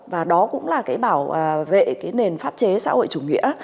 và đó cũng là cái bảo vệ cái nền pháp chế xã hội chủ nghĩa